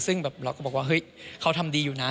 ซึ่งเราก็บอกว่าเขาทำดีอยู่นะ